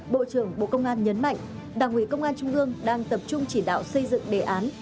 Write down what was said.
bộ trưởng bộ công an nhấn mạnh đảng ủy công an trung ương đang tập trung chỉ đạo xây dựng đề án